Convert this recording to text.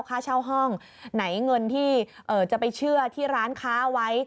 ค่าเช่าห้องไหนเงินที่จะไปเชื่อที่ร้านค้าเอาไว้